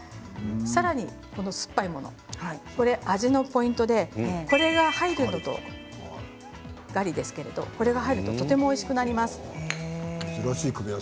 さらにこの酸っぱいもの味のポイントで、これが入るのとガリですけれどもこれが入るととてもおいしくなります。